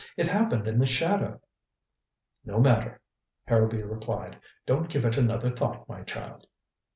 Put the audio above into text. It happened in the shadow." "No matter," Harrowby replied. "Don't give it another thought, my child."